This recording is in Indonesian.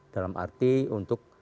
dalam arti untuk